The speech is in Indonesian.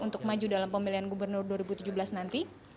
untuk maju dalam pemilihan gubernur dua ribu tujuh belas nanti